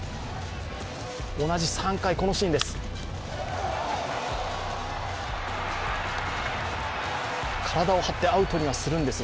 同じ３回、このシーンです。